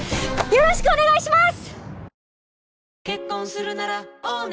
よろしくお願いします！